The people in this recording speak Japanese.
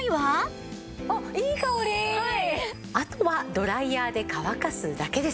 ではあとはドライヤーで乾かすだけです。